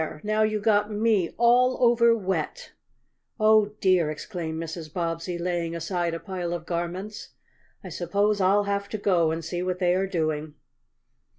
Now you got me all over wet!" "Oh, dear!" exclaimed Mrs. Bobbsey, laying aside a pile of garments. "I suppose I'll have to go and see what they are doing!"